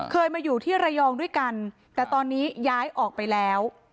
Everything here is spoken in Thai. เคยมาอยู่ที่ระยองด้วยกันแต่ตอนนี้ย้ายออกไปแล้ว